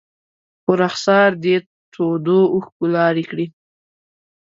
په رخسار دې تودو اوښکو لارې کړي